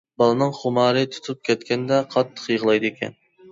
بالىنىڭ خۇمارى تۇتۇپ كەتكەندە قاتتىق يىغلايدىكەن.